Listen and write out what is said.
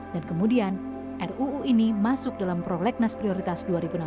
dan kemudian ruu ini masuk dalam prolegnas prioritas dua ribu enam belas